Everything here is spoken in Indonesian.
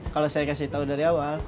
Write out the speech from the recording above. kalau saya kasih tahu dari awal